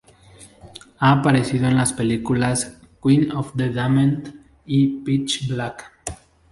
Ha aparecido en las películas "Queen of the Damned" y "Pitch Black".